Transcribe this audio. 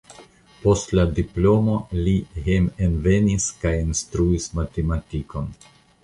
Post la diplomo li hejmenvenis kaj instruis matematikon.